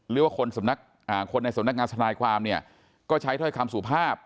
หรือว่าคนในสำนักงานทนายความเนี่ยก็ใช้ถ้อยคำสุภาพ